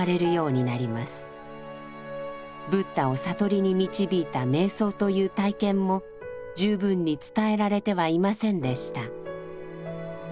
ブッダを悟りに導いた瞑想という体験も十分に伝えられてはいませんでした。